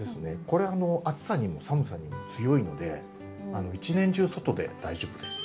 これ暑さにも寒さにも強いので一年中外で大丈夫です。